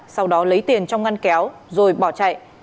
sau đó lấy tiền trong ngăn kéo rồi bỏ chạy